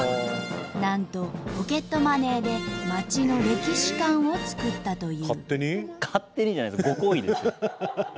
なんとポケットマネーで街の歴史館を作ったという。